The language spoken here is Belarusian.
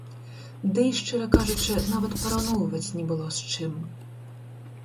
Дый, шчыра кажучы, нават параўноўваць не было з чым.